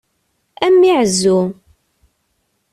A mmi ɛezzu!